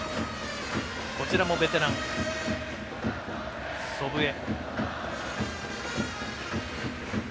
こちらもベテラン、祖父江。